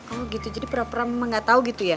oh gitu jadi perah perah mama gak tahu gitu ya